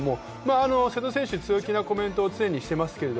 瀬戸選手、強気なコメントを常にしています。